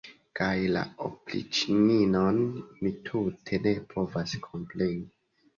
Kaj la opriĉninon mi tute ne povas kompreni.